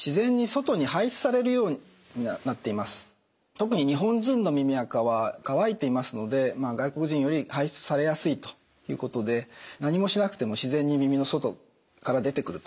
特に日本人の耳あかは乾いていますので外国人より排出されやすいということで何もしなくても自然に耳の外から出てくるということになります。